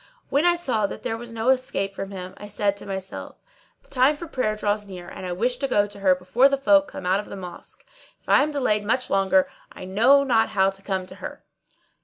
When I saw that there was no escape from him I said to myself, "The time for prayer draws near and I wish to go to her before the folk come out of the mosque. If I am delayed much longer, I know not how to come at her."